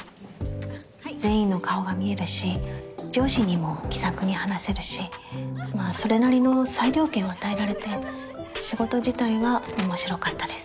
全員の顔が見えるし上司にも気さくに話せるしまあそれなりの裁量権を与えられて仕事自体は面白かったです。